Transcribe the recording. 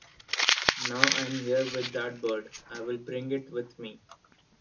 Now I'm here with that bird, I'll bring it with me